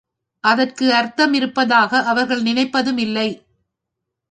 அதற்கு அருத்தமிருப்பதாக அவர்கள் நினைப்பதும் இல்லை.